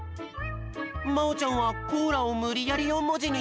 まおちゃんはコーラをむりやり４もじにしちゃった。